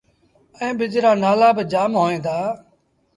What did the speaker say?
ائيٚݩ ٻج رآ نآلآ با جآم هوئين دآ